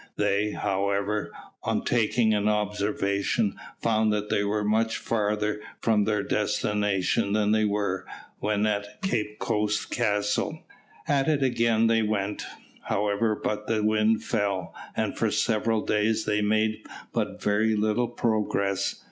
They, however, on taking an observation, found that they were much farther from their destination than they were when at Cape Coast Castle. At it again they went, however, but the wind fell, and for several days they made but very little progress.